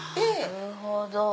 なるほど。